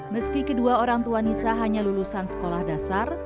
meski kedua orang tua nisa hanya lulusan sekolah dasar